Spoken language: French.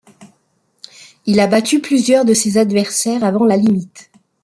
Il a battu plusieurs de ses adversaires avant la limite.